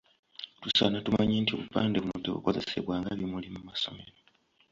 Tusaana tumanye nti obupande buno tebukozesebwa nga “bimuli” mu masomero.